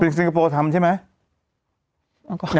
เป็นสิงคโปร์ทำใช่ไหม